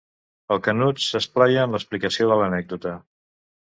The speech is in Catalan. El Canut s'esplaia en l'explicació de l'anècdota.